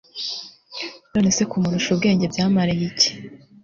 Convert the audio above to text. none se kumurusha ubwenge byamariye iki